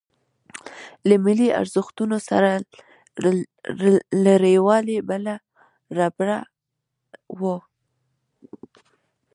له ملي ارزښتونو سره لريوالۍ بله ربړه وه.